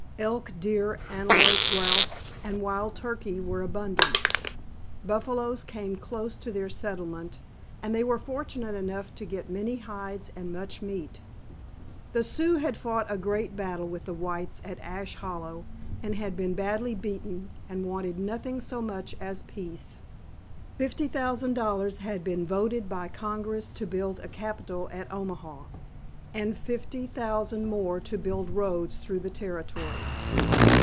Elk, deer, antelope, grouse, and wild turkey were abundant. Buffaloes came close to their settlement and they were fortunate enough to get many hides and much meat. The Sioux had fought a great battle with the whites at Ash Hollow and been badly beaten and wanted nothing so much as peace. Fifty thousand dollars had been voted by Congress to build a capitol at Omaha, and fifty thousand more to build roads through the Territory.